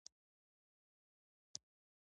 د جوزجان په مردیان کې ګاز شته.